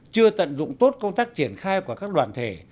chưa tận dụng tốt công tác triển khai của các đoàn thể